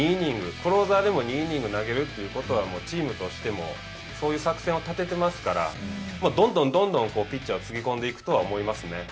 クローザーでも２イニングス投げるということはチームとしてもそういう作戦は立ててますからどんどん、どんどんピッチャーをつぎ込んでいくとは思いますね。